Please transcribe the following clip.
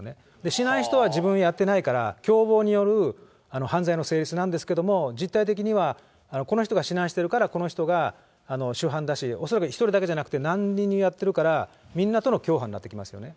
しない人は自分でやってないから、共謀による犯罪の成立なんですけども、実態的にはこの人が指南してるから、この人が主犯だし、恐らく１人だけじゃなくて、何人にやってるから、みんなとの共犯になってきますよね。